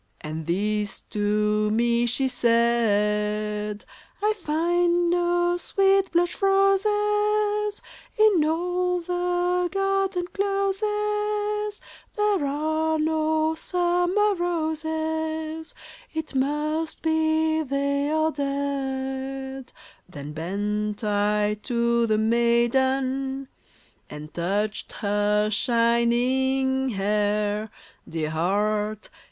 And this to me she said :*' I find no sweet blush roses In all the garden closes : There are no summer roses ; It must be they are dead I " Then bent I to the maiden And touched her shining hair — Dear heart